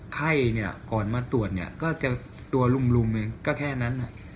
ไข้ก่อนมาตรวจก็จะตัวลุ่มก็แค่นั้น